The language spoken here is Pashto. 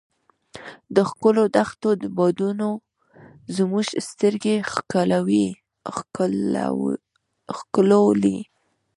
د ښکلو دښتو بادونو زموږ سترګې ښکلولې.